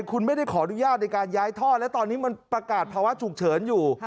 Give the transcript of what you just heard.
คุณไม่ได้ขออนุญาตในการย้ายท่อและตอนนี้มันประกาศภาวะฉุกเฉินอยู่